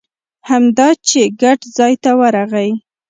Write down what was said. همدا چې ګټ ځای ته ورغی.